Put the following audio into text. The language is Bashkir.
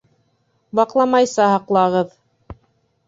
Ваҡламайса һаҡлағыҙ.